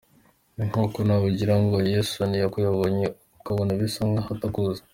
Ni nk’uko nawe ujya ugira ngo Yesu ntiyakubonye, ukabona bisa nk’aho atakuzi.